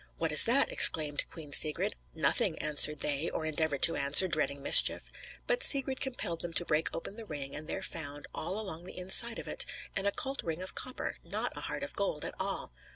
"What is that?" exclaimed Queen Sigrid. "Nothing," answered they, or endeavored to answer, dreading mischief. But Sigrid compelled them to break open the ring; and there was found, all along the inside of it, an occult ring of copper, not a heart of gold at all!